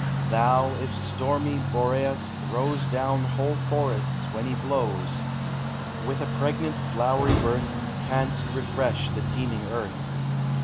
THE SEASONS, 83 Thou, if stormy Boreas throws Down whole forests when he blows, With a pregnant, flowery birth, Canst refresh the teeming earth.